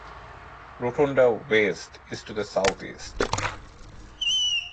Rotonda West is to the southeast.